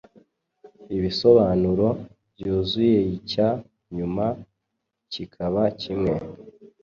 ibisobanuro byuzuyeicya nyuma kikaba kimwe